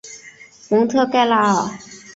蒙特盖拉尔。